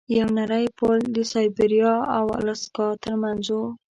یو نری پل د سایبریا او الاسکا ترمنځ و.